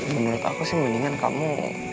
menurut aku sih mendingan kamu